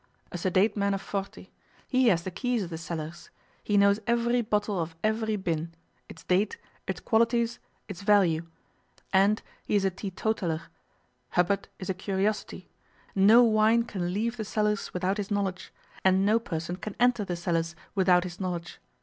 'A sedate man of forty. He has the keys of the cellars. He knows every bottle of every bin, its date, its qualities, its value. And he's a teetotaler. Hubbard is a curiosity. No wine can leave the cellars without his knowledge, and no person can enter the cellars without his knowledge.